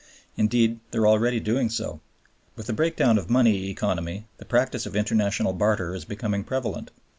Indeed they are already doing so. With the breakdown of money economy the practice of international barter is becoming prevalent.